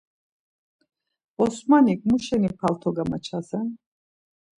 Osmanik muşeni palto gamaçasen?